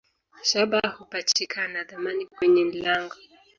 Shaba hupachikana dhamani kwenye nlango.